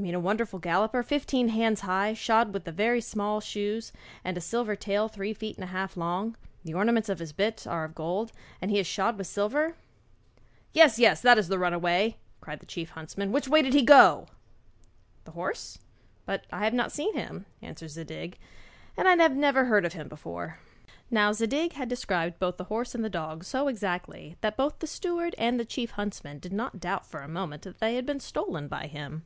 'You mean a wonderful galloper fifteen hands high, shod with very small shoes, and with a tail three feet and a half long? The ornaments of his bit are of gold and he is shod with silver?' 'Yes, yes, that is the runaway,' cried the chief huntsman; 'which way did he go?' 'The horse? But I have not seen him,' answered Zadig, 'and I never even heard of him before.' Now Zadig had described both the horse and the dog so exactly that both the steward and the chief huntsman did not doubt for a moment that they had been stolen by him.